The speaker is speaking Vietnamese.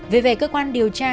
về về cơ quan điều tra